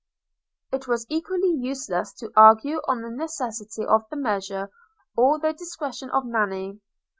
It was equally useless to argue on the necessity of the measure, or the discretion of Nanny.